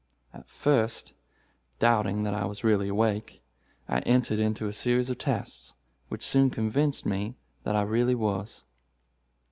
At first, doubting that I was really awake, I entered into a series of tests, which soon convinced me that I really was.